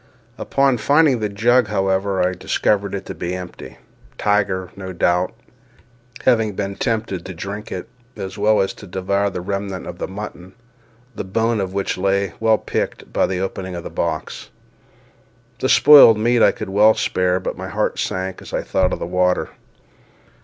Upon finding the jug, however, I discovered it to be empty—Tiger, no doubt, having been tempted to drink it, as well as to devour the remnant of mutton, the bone of which lay, well picked, by the opening of the box. The spoiled meat I could well spare, but my heart sank as I thought of the water.